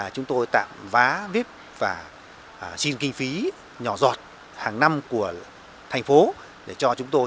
chúng tôi tạm vá ví và xin kinh phí nhỏ giọt hàng năm của thành phố để cho chúng tôi